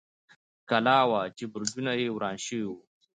کلا وه، چې برجونه یې وران شوي و.